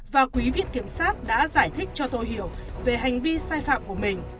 và quý viện kiểm sát đã giải thích cho tôi hiểu về hành vi sai phạm của mình